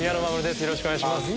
よろしくお願いします。